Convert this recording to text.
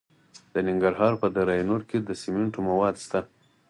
د ننګرهار په دره نور کې د سمنټو مواد شته.